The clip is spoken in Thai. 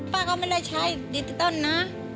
ป้าก็ไม่ได้ใช้ดิจิตอลนะ